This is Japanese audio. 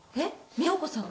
美保子さんが？